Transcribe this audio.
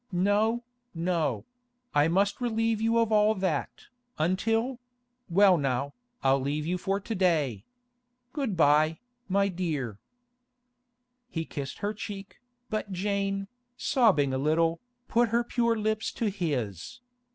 No, no; I must relieve you of all that, until—Well now, I'll leave you for to day. Good bye, my dear.' He kissed her cheek, but Jane, sobbing a little, put her pure lips to his.